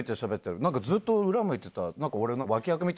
ずっと裏向いてた。